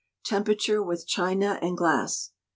Temperature with China and Glass.